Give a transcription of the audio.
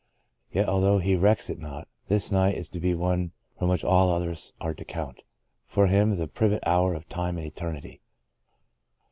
Yet, although he recks it not, this night is to be the one from which all others are to count — for him the pivot hour of Time and Eternity.